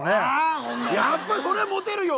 やっぱそりゃモテるよ！